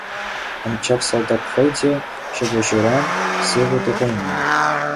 Анчах салтак хӑй те ҫапӑҫуран сывӑ тухайман.